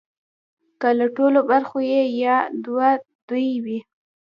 که له ټولو برخو یو یا دوه د دوی وي